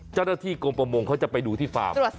เจ้าหน้าที่กรมประมงเขาจะไปดูที่ฟาร์ม